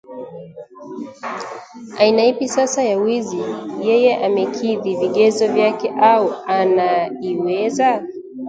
Aina ipi sasa ya wizi yeye amekidhi vigezo vyake au anaiweza?